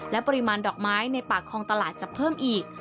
และปริมาณดอกไม้ในปากคลองตลาดจะเพิ่มอีก